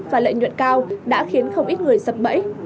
và lợi nhuận cao đã khiến không ít người sập bẫy